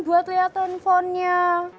buat liat handphonenya